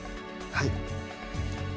はい。